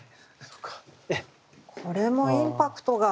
これもインパクトが大。